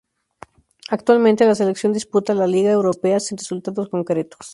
Actualmente la selección disputa la Liga Europea sin resultados concretos.